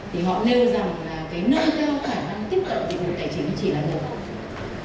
thì họ nêu rằng là cái nâng cao khả năng tiếp cận dịch vụ tài chính chỉ là một